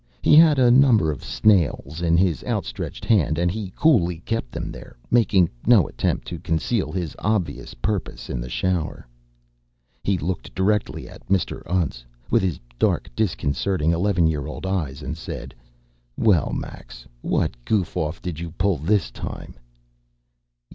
He had a number of snails in his out stretched hand and he coolly kept them there, making no attempt to conceal his obvious purpose in the shower. He looked directly at Mr. Untz with his dark disconcerting eleven year old eyes and said, "Well, Max, what goof off did you pull this time?"